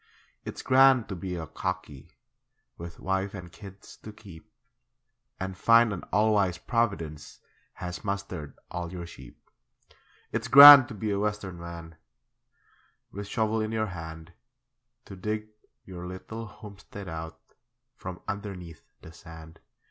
It's grand to be a 'cockie' With wife and kids to keep, And find an all wise Providence Has mustered all your sheep. It's grand to be a Western man, With shovel in your hand, To dig your little homestead out From underneath the sand.